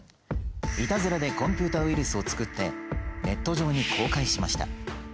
いたずらでコンピュータウイルスを作ってネット上に公開しました。